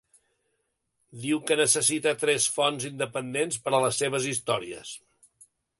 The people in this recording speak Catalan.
Diu que necessita tres fonts independents per a les seves històries.